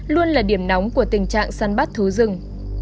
luôn là điểm nóng của tình trạng săn bắt thú rừng